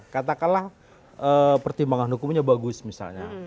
katakanlah pertimbangan hukumnya bagus misalnya